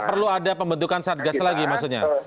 perlu ada pembentukan satgas lagi maksudnya